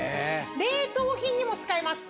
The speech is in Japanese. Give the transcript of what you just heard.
冷凍品にも使えます。